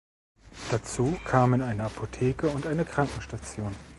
Dazu kamen eine Apotheke und eine Krankenstation.